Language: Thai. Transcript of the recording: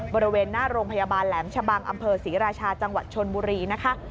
บริเวณหน้าโรงพยาบาลแหลมชะบังอำเภอศรีราชาจังหวัดชนบุรีนะคะ